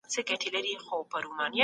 اسلام د تېري او ظلم خلاف دی.